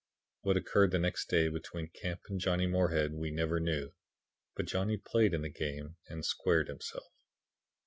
What occurred the next day between Camp and Johnny Moorhead we never knew, but Johnny played in the game and squared himself."